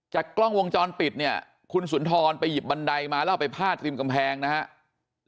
กล้องวงจรปิดเนี่ยคุณสุนทรไปหยิบบันไดมาแล้วไปพาดริมกำแพงนะครับ